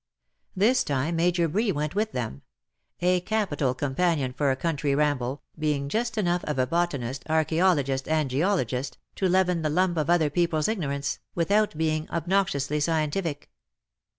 This time Major Bree went with them — a capital com panion for a country ramble, being just enough of a botanist, archseologist, and geologist, to leaven the lump of other people^s ignorance, without being obnoxiously scientific.